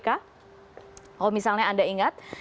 kalau misalnya anda ingat